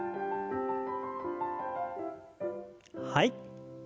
はい。